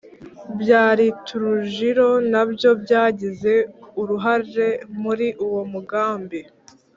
Bwa trujillo na byo byagize uruhare muri uwo mugambi